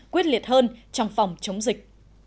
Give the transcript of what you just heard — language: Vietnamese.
quyết liệt hơn trong phòng chống dịch